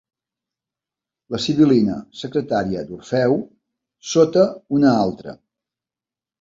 La sibil·lina secretària d'Orfeu, sota una altra.